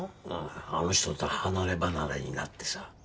あの人と離ればなれになってさ。